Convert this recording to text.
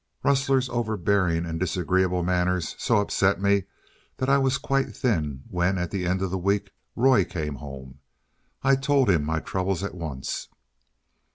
Rustler's overbearing and disagreeable manners so upset me that I was quite thin when, at the end of the week, Roy came home. I told him my troubles at once.